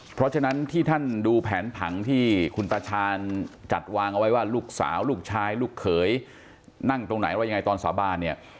เพราะฉะนั้นที่ท่านดูแผนผังที่คุณตาชาญจัดวางเอาไว้ว่าลูกสาวลูกชายลูกเขยนั่งตรงไหนอะไรยังไงตอนสาบานเนี่ย